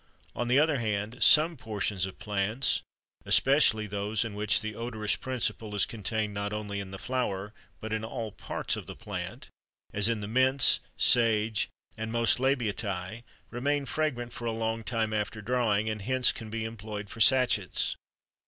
On the other hand, some portions of plants, especially those in which the odorous principle is contained not only in the flower but in all parts of the plant, as in the mints, sage, and most Labiatæ, remain fragrant for a long time after drying and hence can be employed for sachets.